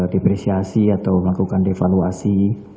depresiasi atau melakukan evaluasi